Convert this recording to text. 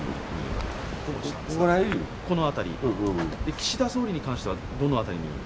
岸田総理に関しては、どの辺りに？